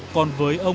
còn với bà lan hương